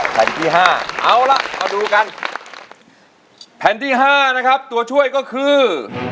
แผ่นที่๕เอาล่ะมาดูกันแผ่นที่๕นะครับตัวช่วยก็คือ